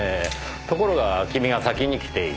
ところが君が先に来ていた。